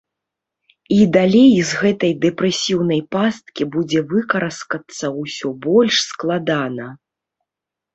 І далей з гэтай дэпрэсіўнай пасткі будзе выкараскацца ўсё больш складана.